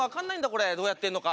これどうやってんのか。